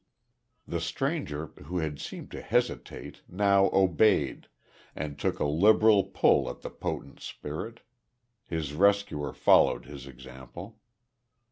The stranger, who had seemed to hesitate, now obeyed, and took a liberal pull at the potent spirit. His rescuer followed his example.